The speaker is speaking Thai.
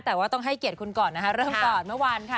แต่ว่าต้องให้เกียรติคุณก่อนนะคะเริ่มก่อนเมื่อวานค่ะ